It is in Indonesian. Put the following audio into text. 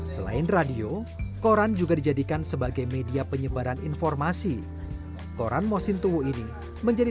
selain radio koran juga dijadikan sebagai media penyebaran informasi koran mosintowo ini menjadi